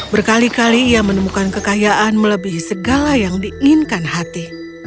berkali kali ia menemukan kekayaan melebihi segala yang diinginkan hati